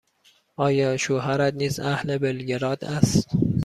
آیا شوهرت نیز اهل بلگراد است؟